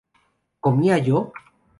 ¿comía yo?